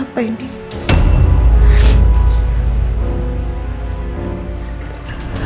aku mau denger